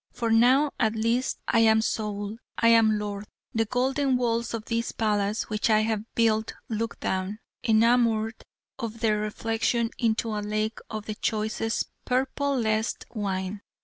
For now, at least, I am sole, I am lord. The golden walls of this palace which I have built look down, enamoured of their reflection, into a lake of the choicest, purplest wine.